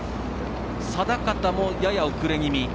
定方も、やや遅れ気味。